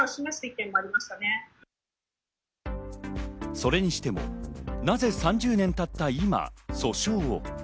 それにしても、なぜ３０年たった今、訴訟を？